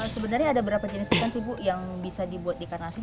sebenarnya ada berapa jenis ikan sih bu yang bisa dibuat di karasing